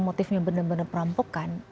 motifnya benar benar perampokan